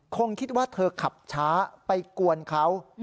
คงคิดว่าเธอขับช้าไปกวนเขา